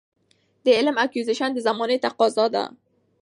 د علم Acquisition د زمانې تقاضا ده.